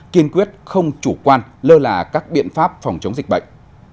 kiên quyết không chủ quan lơ là các biện pháp phòng chống dịch bệnh